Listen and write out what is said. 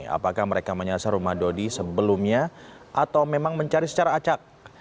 apakah mereka menyasar rumah dodi sebelumnya atau memang mencari secara acak